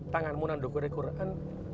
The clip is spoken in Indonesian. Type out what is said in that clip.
tanganmu nanduk dari quran